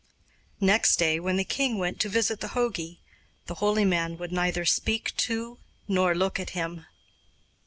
Next day, when the king went to visit the jogi, the holy man would neither speak to nor look at him.